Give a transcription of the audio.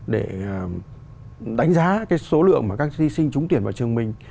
để đánh giá cái số lượng mà các thi sinh trúng tiền vào trường mình